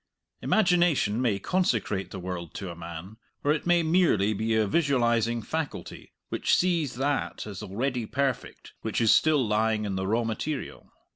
Imagination may consecrate the world to a man, or it may merely be a visualizing faculty which sees that as already perfect which is still lying in the raw material.